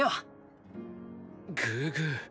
グーグー！